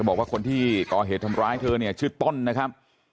บอกว่าคนที่ก่อเหตุทำร้ายเธอเนี่ยชื่อต้นนะครับ